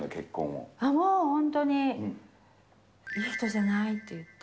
もう、本当に、いい人じゃないって言って。